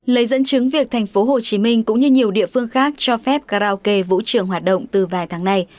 lấy dẫn chứng việc thành phố hồ chí minh cũng như nhiều địa phương khác cho phép karaoke vũ trường hoạt động từ vài tháng nay